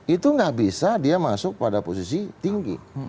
itu nggak bisa dia masuk pada posisi tinggi